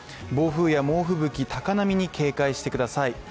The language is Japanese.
暴風や猛吹雪、高波に警戒してください。